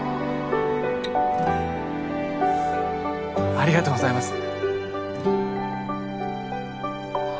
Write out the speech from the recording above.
ありがとうございます。